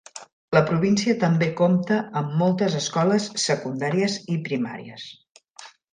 La província també compta amb moltes escoles secundàries i primàries.